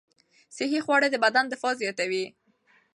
صحي خواړه د بدن دفاع زیاتوي.